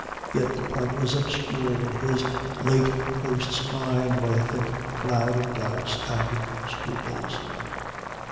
Yet the point was obscured in his late host's mind by a thick cloud of doubts and scruples.